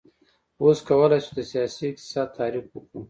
اوس کولی شو د سیاسي اقتصاد تعریف وکړو.